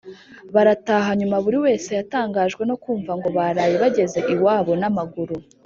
barataha. nyuma buri wese yatangajwe no kumva ngo baraye bageze iwabo n’amaguru.